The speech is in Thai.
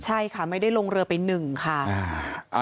ใช่ค่ะไม่ได้ลงเรือไปหนึ่งค่ะ